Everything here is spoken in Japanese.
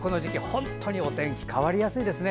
本当にお天気変わりやすいですね。